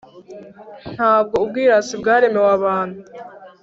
Nta bwo ubwirasi bwaremewe abantu,